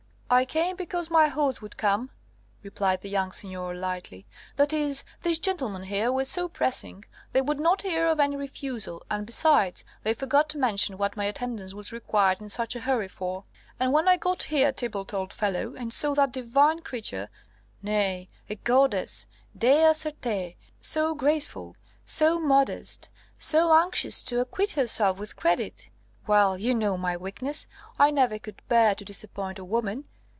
"] "I came because my horse would come," replied the young Seigneur lightly: "that is, these gentlemen here were so pressing; they would not hear of any refusal; and besides, they forgot to mention what my attendance was required in such a hurry for. And when I got here, Thibault, old fellow, and saw that divine creature nay, a goddess, dea certé so graceful, so modest, so anxious to acquit herself with credit Well, you know my weakness; I never could bear to disappoint a woman.